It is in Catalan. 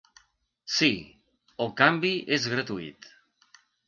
Si, el canvi es gratuït.